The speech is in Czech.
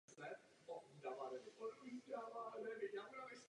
Pro nedostatek samopalů nebylo možné utvořit větší úderné jednotky.